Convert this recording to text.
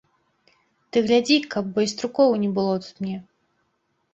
Ты глядзі, каб байструкоў не было тут мне.